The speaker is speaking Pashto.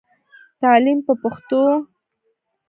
تعليم په پښتو.